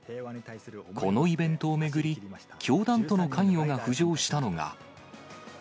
このイベントを巡り、教団との関与が浮上したのが。